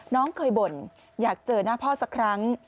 น้องเคยบ่นอยากเจอหน้าพ่อสักครั้ง